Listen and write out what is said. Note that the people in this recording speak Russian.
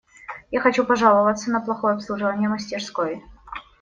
Я хочу пожаловаться на плохое обслуживание в мастерской.